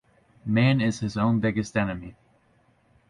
Man is his own biggest enemy.